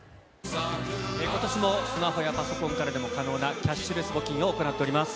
ことしもスマホやパソコンからでも可能なキャッシュレス募金を行っております。